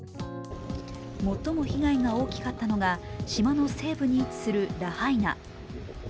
最も被害が大きかったのが島の西部に位置するラハイナ。